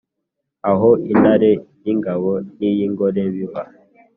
aho intare y’ingabo n’iy’ingore biba